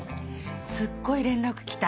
すっごい連絡きた。